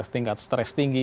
tingkat stres tinggi